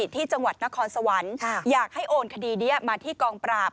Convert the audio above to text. ที่จังหวัดนครสวรรค์อยากให้โอนคดีนี้มาที่กองปราบ